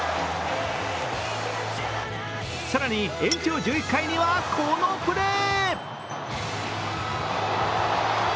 更に延長１１回には、このプレー！